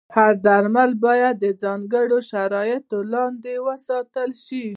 هر درمل باید د ځانګړو شرایطو لاندې وساتل شي.